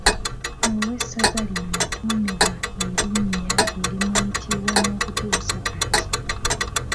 Ow’essaza lino yatuumibwa erinnya erimuyitibwa n’okutuusa kati.